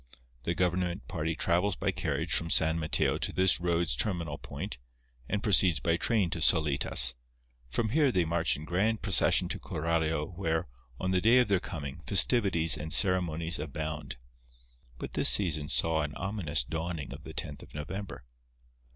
The government party travels by carriage from San Mateo to this road's terminal point, and proceeds by train to Solitas. From here they march in grand procession to Coralio where, on the day of their coming, festivities and ceremonies abound. But this season saw an ominous dawning of the tenth of November.